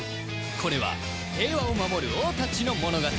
これは平和を守る王たちの物語